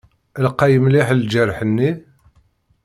Lqay mliḥ ljerḥ-nni?